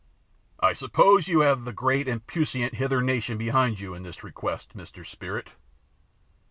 "I suppose you have the great and puissant Hither nation behind you in this request, Mr. Spirit?"